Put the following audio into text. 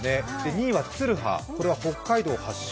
２位はツルハ、これは北海道発祥。